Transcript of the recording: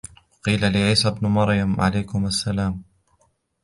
وَقِيلَ لِعِيسَى ابْنِ مَرْيَمَ عَلَيْهِمَا السَّلَامُ